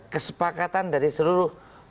kesepakatan dari seluruh